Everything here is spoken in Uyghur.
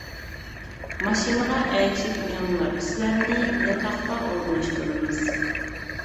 — ماشىنىغا ئەگىشىپ مېڭىڭلار، سىلەرنى ياتاققا ئورۇنلاشتۇرىمىز.